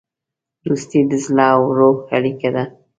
دوستي د زړه او روح اړیکه ده.